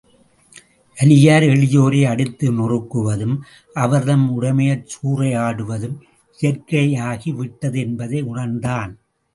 வலியார் எளியோரை அடித்து நொறுக்குவதும், அவர் தம் உடைமையைச் சூறையாடுவதும் இயற்கையாகி விட்டது என்பதை உணர்ந்தான்.